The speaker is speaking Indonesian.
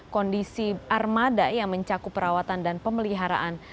kondisi armada yang mencakup perawatan dan pemeliharaan